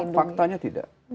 ternyata faktanya tidak